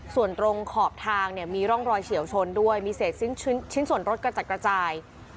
ส่วนตรงขอบทางเนี่ยมีร่องรอยเฉียวชนด้วยมีเศษชิ้นส่วนรถกระจัดกระจาย